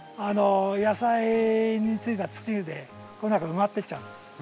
野菜についた土でこの中埋まってっちゃうんです。